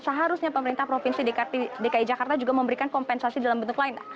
seharusnya pemerintah provinsi dki jakarta juga memberikan kompensasi dalam bentuk lain